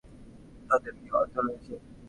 তাদের কেউ আহত রয়েছে?